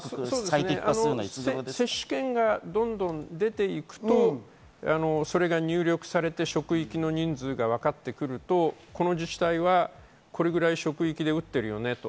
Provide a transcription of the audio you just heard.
接種券がどんどん出て行くと、それが入力されて職域のニーズがわかってくるとこの自治体はこれくらい職域で打ってるよね。